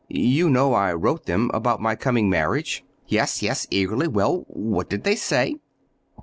You know I wrote them—about my coming marriage." "Yes, yes," eagerly. "Well, what did they say?"